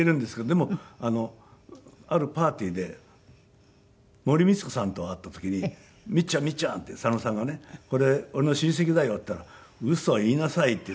でもあるパーティーで森光子さんと会った時に「みっちゃんみっちゃん」って佐野さんがね。「これ俺の親戚だよ」って言ったら「ウソ言いなさい」って。